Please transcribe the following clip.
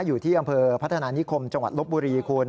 อยู่ที่อำเภอพัฒนานิคมจังหวัดลบบุรีคุณ